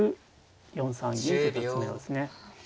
４三銀以下詰めろですね。